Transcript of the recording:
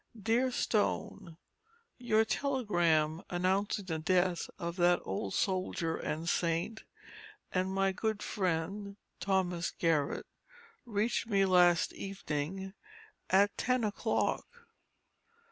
DEAR STONE: Your telegram announcing the death of that old soldier and saint, and my good friend, Thos. Garrett, reached me last evening at ten o'clock.